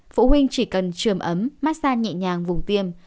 phụ huynh chỉ cần trường ấm massan nhẹ nhàng vùng tiêm